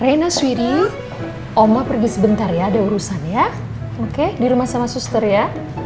raina suiri oma pergi sebentar ya ada urusan ya oke di rumah sama suster ya